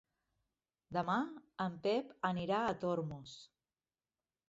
Demà en Pep anirà a Tormos.